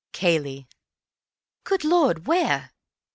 "Cayley." "Good Lord! Where?"